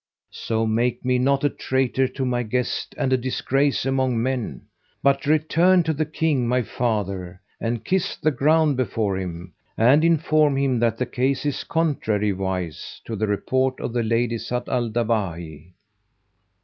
So make me not a traitor to my guest and a disgrace among men; but return to the King, my father, and kiss the ground before him, and inform him that the case is contrariwise to the report of the Lady Zat al Dawahi."